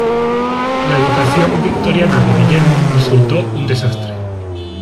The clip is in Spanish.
La educación victoriana de Guillermo resultó un desastre.